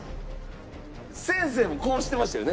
先生もこうしてましたよね？